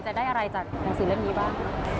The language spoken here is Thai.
จะได้อะไรจากหนังสือเล่มนี้บ้าง